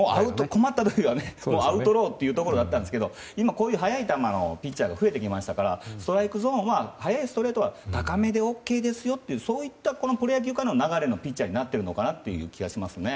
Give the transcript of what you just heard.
困ったらアウトローというところがあったんですけど今こういう速い球のピッチャーが増えてきましたから速いストレートは高めでＯＫですよというプロ野球界の流れになってるのかなという気がしますね。